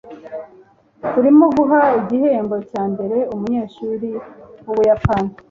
turimo guha igihembo cyambere umunyeshuri wumuyapani